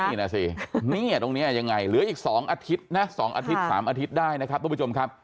นี่นะสิเนี่ยตรงนี้ยังไงเหลืออีก๒อาทิตย์นะ๒อาทิตย์๓อาทิตย์ได้นะครับทุกผู้ชมครับ